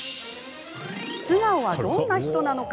素顔はどんな人なのか？